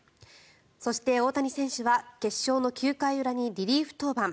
そして、大谷選手は決勝の９回裏にリリーフ登板。